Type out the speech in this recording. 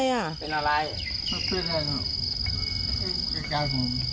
เบ้าเก็บอะไรไอลาน